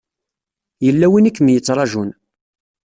Yella win i kem-yettṛajun.